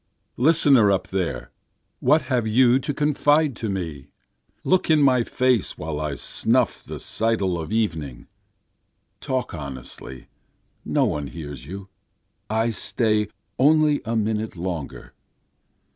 Listener up there! what have you to confide to me? Look in my face while I snuff the sidle of evening, (Talk honestly, no one else hears you, and I stay only a minute longer.)